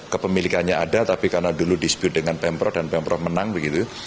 kepemilikannya ada tapi karena dulu dispute dengan pemprov dan pemprov menang begitu